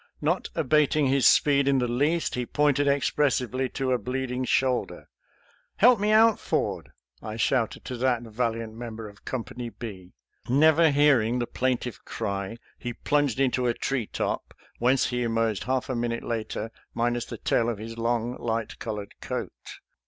Not abating his speed in the least, he pointed expressively to a bleeding shoulder. " Help me out. Ford !" I shouted to that val iant member of Company B. Never hearing the plaintive cry, he plunged into a tree top, whence he emerged half a minute later minus the tail of his long, light colored coat.